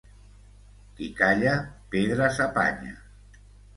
Qui calla pedres apanya.